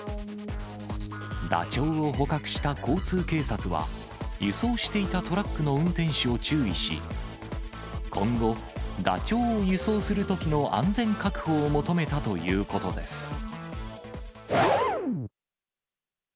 ダチョウを捕獲した交通警察は、輸送していたトラックの運転手を注意し、今後、ダチョウを輸送するときの安全確保を求めたということです。